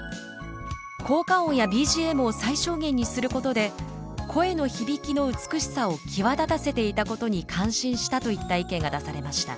「効果音やＢＧＭを最小限にすることで声の響きの美しさを際立たせていたことに感心した」といった意見が出されました。